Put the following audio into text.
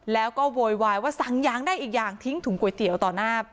แล้วก็โวยวายว่าสั่งยางได้อีกอย่างทิ้งถุงก๋วยเตี๋ยวต่อหน้า